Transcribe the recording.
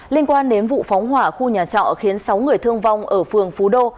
liên quan đến vụ phóng hỏa khu nhà trọ khiến sáu người thương vong ở phường phú đô